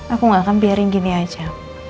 aku gak akan biarin gini aja